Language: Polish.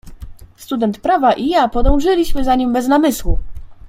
"Student prawa i ja podążyliśmy za nim bez namysłu."